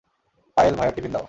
পায়েল, ভাইয়ার টিফিন দাও।